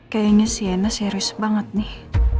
kayaknya si yena serius banget nih